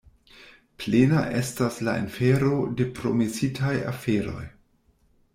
Plena estas la infero de promesitaj aferoj.